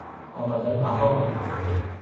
آمدن بهار